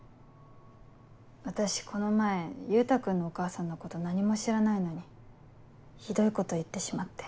私この前優太君のお母さんのこと何も知らないのにひどいこと言ってしまって。